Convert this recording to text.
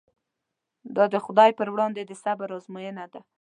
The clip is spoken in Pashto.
دا د خدای پر وړاندې د صبر ازموینه ده.